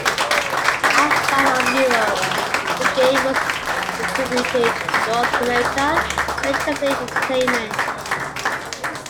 Outside of Europe, the game was distributed in North America by Interplay Entertainment.